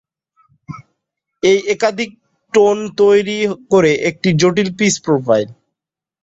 এই একাধিক টোন তৈরি করে একটি জটিল পিচ প্রোফাইল।